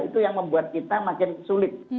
itu yang membuat kita makin sulit